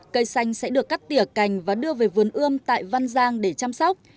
cây xanh sẽ được cắt tỉa cành và đưa về vườn ươm tại văn giang để chăm sóc